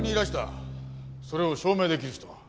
それを証明できる人は？